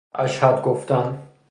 اشهد گفتن